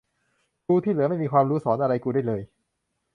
ครูที่เหลือไม่มีความรู้สอนอะไรกูได้เลย